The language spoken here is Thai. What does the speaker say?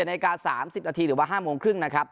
นาฬิกา๓๐นาทีหรือว่า๕โมงครึ่งนะครับ